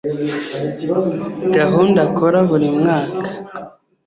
gahunda akora buri mwaka